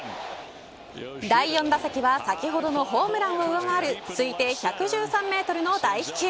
第４打席は先ほどのホームランを上回る推定１１３メートルの大飛球。